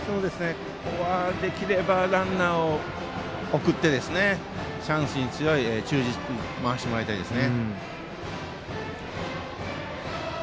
できればランナーを送ってチャンスに強い中軸に回してもらいたいです。